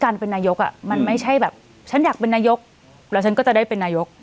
เป็นนายกอ่ะมันไม่ใช่แบบฉันอยากเป็นนายกแล้วฉันก็จะได้เป็นนายก